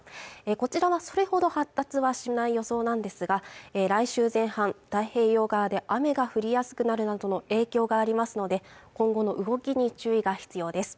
こちらはそれほど発達はしない予想なんですが来週前半太平洋側で雨が降りやすくなるなどの影響がありますので今後の動きに注意が必要です